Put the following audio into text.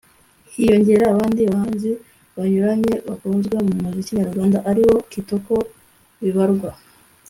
hiyongeraho abandi bahanzi banyuranye bakunzwe mu muziki nyarwanda ari bo Kitoko Bibarwa